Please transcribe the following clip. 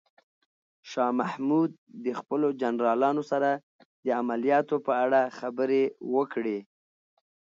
شاه محمود د خپلو جنرالانو سره د عملیاتو په اړه خبرې وکړې.